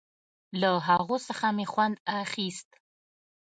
له هغو څخه مې خوند اخيست.